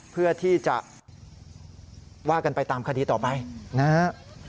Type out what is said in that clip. เพื่อที่จะว่ากันไปตามคดีต่อไปนะฮะ